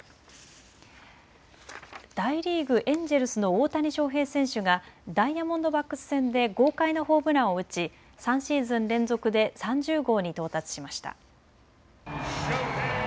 大リーグ、エンジェルスの大谷翔平選手がダイヤモンドバックス戦で豪快なホームランを打ち３シーズン連続で３０号に到達しました。